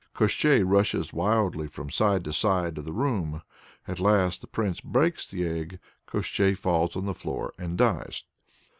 Koshchei rushes wildly from side to side of the room. At last the prince breaks the egg. Koshchei falls on the floor and dies.